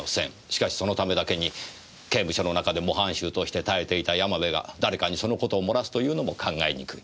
しかしそのためだけに刑務所の中で模範囚として耐えていた山部が誰かにそのことを漏らすというのも考えにくい。